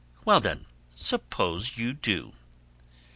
Well then, suppose you do!"